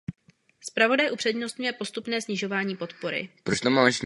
Zpravodaj upřednostňuje postupné snižování podpory.